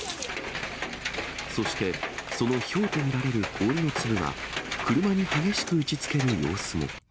そして、そのひょうと見られる氷の粒が車に激しく打ちつける様子も。